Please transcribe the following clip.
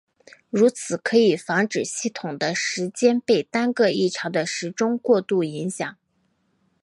如此可以防止系统的时间被单个异常的时钟过度影响。